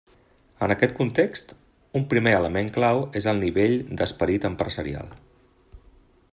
En aquest context, un primer element clau és el nivell d'esperit empresarial.